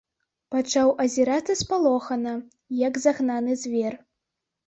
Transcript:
Пачаў азірацца спалохана, як загнаны звер.